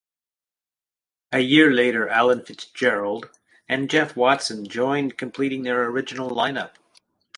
A year later Alan Fitzgerald and Jeff Watson joined completing their original lineup.